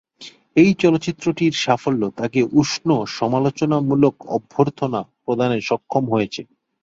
এই চলচ্চিত্রটির সাফল্য তাঁকে উষ্ণ সমালোচনামূলক অভ্যর্থনা প্রদানে সক্ষম হয়েছে।